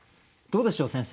どうでしょう？